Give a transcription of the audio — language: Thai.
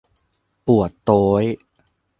ปวดโต้ย !